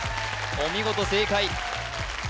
お見事正解